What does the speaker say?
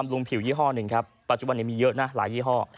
ลุงผิวยี่ห้อหนึ่งครับปัจจุบันนี้มีเยอะนะหลายยี่ห้อ